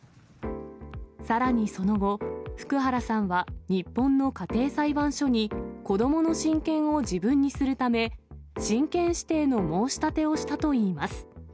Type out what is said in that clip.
さらにその後、福原さんは日本の家庭裁判所に、子どもの親権を自分にするため、親権指定の申し立てをしたといいます。